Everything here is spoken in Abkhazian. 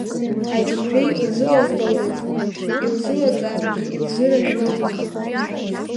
Аџьықәреи лзылазҵодаз, илзылаҵаргьы, илзырашәозма?